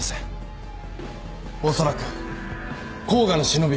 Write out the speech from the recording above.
おそらく甲賀の忍び。